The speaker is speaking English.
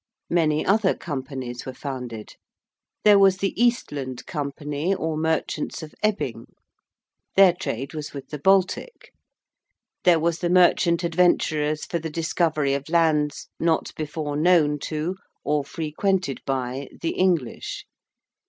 Many other companies were founded. There was the Eastland Company or merchants of Ebbing. Their trade was with the Baltic. There was the 'Merchant Adventurers for the discovery of Lands, not before known to, or frequented by, the English.'